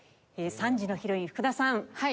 ３時のヒロイン福田さん。